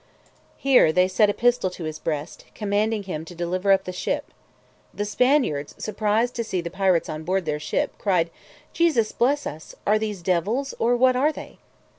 Here they set a pistol to his breast, commanding him to deliver up the ship. The Spaniards, surprised to see the pirates on board their ship, cried 'Jesus bless us! are these devils, or what are they?'